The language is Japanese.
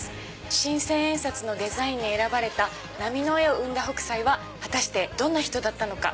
新千円札のデザインに選ばれた波の絵を生んだ北斎は果たしてどんな人だったのか。